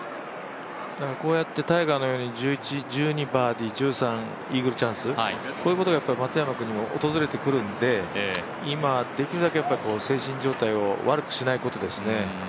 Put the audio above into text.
こうやってタイガーのように１１、１２バーディー１３イーグルチャンス、こういうことが松山君にも訪れてくるんで今、できるだけ、精神状態を悪くしないことですね。